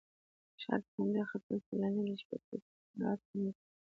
شاید په همدې خاطر سیلاني د شپې پیترا ته نه ځي.